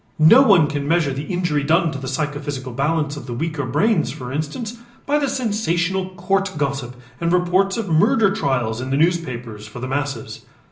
No one can measure the injury done to the psychophysical balance of the weaker brains, for instance, by the sensational court gossip and reports of murder trials in the newspapers for the masses.